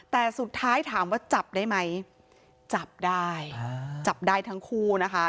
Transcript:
แต่สุดท้ายถามว่าจับได้ไหมจับได้จับได้ทั้งคู่นะคะ